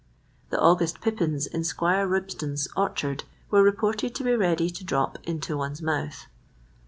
The August pippins in Squire Ribston's orchard were reported to be ready to drop into one's mouth.